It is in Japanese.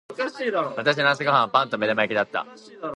私の朝ご飯はパンと目玉焼きだった。